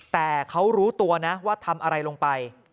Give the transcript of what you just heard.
แต่เขารู้ตัวนะว่าทำอะไรลงไป